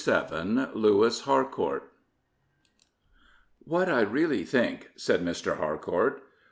306 LEWIS HARCOURT '* What I really think said Mr. Harcourt.